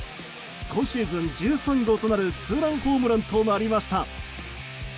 今シーズン１３号となるツーランホームランとなりました。